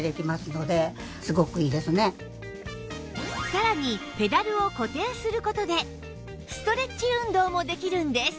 さらにペダルを固定する事でストレッチ運動もできるんです